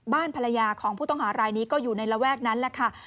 ภรรยาของผู้ต้องหารายนี้ก็อยู่ในระแวกนั้นแหละค่ะ